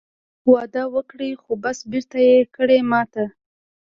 وعده وکړې خو بس بېرته یې کړې ماته